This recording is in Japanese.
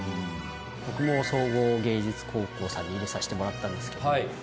僕も総合芸術高校さんに入れさせてもらったんですけど。